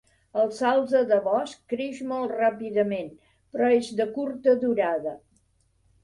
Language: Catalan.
El salze de bosc creix molt ràpidament, però és de curta durada.